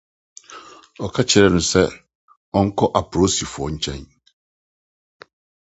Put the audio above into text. Ɔka kyerɛɛ no sɛ ɔnkɔ polisifo nkyɛn.